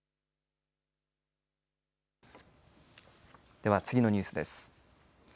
では次のニュースです。